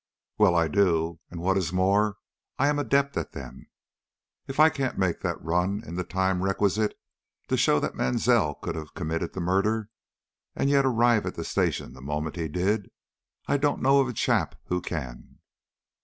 "Well, I do, and what is more, I'm an adept at them. If I can't make that run in the time requisite to show that Mansell could have committed the murder, and yet arrive at the station the moment he did, I don't know of a chap who can."